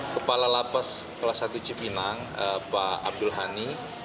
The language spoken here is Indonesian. kepala lapas kelas satu cipinang pak abdul hani